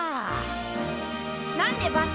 なんでバス？